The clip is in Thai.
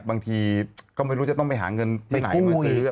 บางทีก็ไม่รู้จะต้องไปหาเงินที่ไหนมาซื้อ